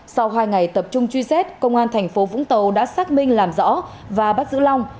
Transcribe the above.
sau hai ngày tập trung truy xét công an thành phố vũng tàu đã xác minh làm rõ và bắt giữ long